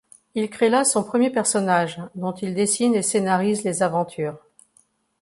Il crée là son premier personnage, dont il dessine et scénarise les aventures.